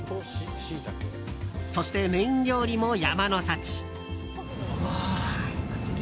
そして、メイン料理も山の幸。